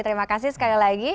terima kasih sekali lagi